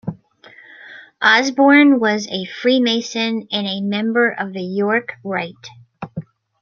Osborne was a Freemason and a member of the York Rite.